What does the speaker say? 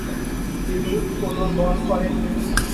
তিনি কোন বল করেননি।